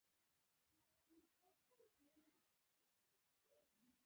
د لرګيو کوټنۍ غوندې ځاى و.